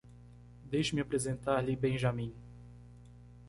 Deixe-me apresentar-lhe Benjamin.